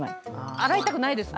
洗いたくないですもんね。